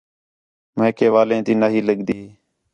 میکے والیں تی نا ہی لڳدی